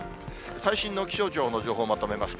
最新の気象庁の情報をまとめます。